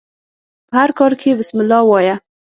په هر کار کښي بسم الله وايه!